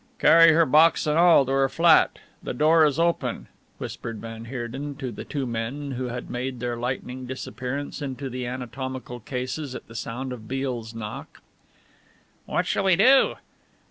"Carry her, box and all, to her flat. The door is open," whispered van Heerden to the two men who had made their lightning disappearance into the anatomical cases at the sound of Beale's knock. "What shall we do?"